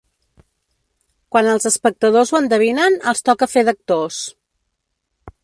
Quan els espectadors ho endevinen els toca fer d'actors.